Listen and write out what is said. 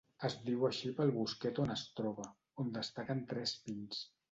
Es diu així pel bosquet on es troba, on destaquen tres pins.